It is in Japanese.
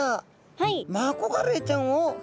はい。